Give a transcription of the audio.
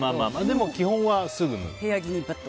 でも基本は、すぐ脱ぐと。